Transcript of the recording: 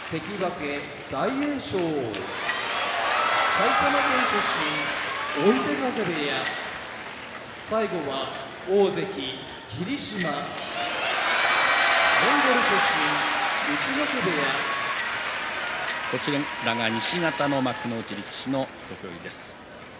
埼玉県出身追手風部屋大関・霧島モンゴル出身陸奥部屋西方の幕内力士の土俵入りです。